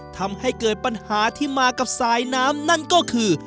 ทำให้เกิดปัญหาที่มากับสายน้ำนั่นก็คือ